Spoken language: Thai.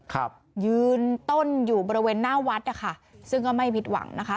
ครับยืนต้นอยู่บริเวณหน้าวัดนะคะซึ่งก็ไม่ผิดหวังนะคะ